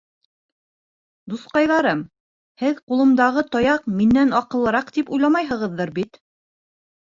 — Дуҫҡайҙарым, һеҙ ҡулымдағы таяҡ минән аҡыллыраҡ тип уйламайһығыҙҙыр бит?